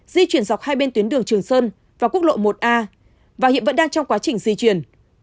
di chuyển dọc hai bên tuyến đường trường sơn và quốc lộ một a và hiện vẫn đang trong quá trình di chuyển